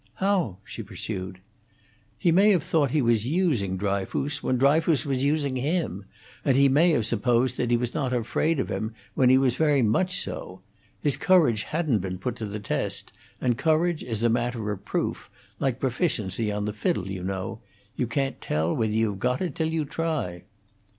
"How?" she pursued. "He may have thought he was using Dryfoos, when Dryfoos was using him, and he may have supposed he was not afraid of him when he was very much so. His courage hadn't been put to the test, and courage is a matter of proof, like proficiency on the fiddle, you know: you can't tell whether you've got it till you try."